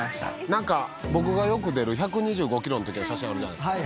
なんか僕がよく出る１２５キロの時の写真あるじゃないですか。